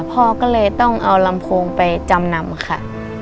พ่อก็เลยต้องเอาลำโพงไปจำนำค่ะ